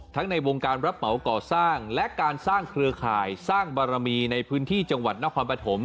ในวงการรับเหมาก่อสร้างและการสร้างเครือข่ายสร้างบารมีในพื้นที่จังหวัดนครปฐม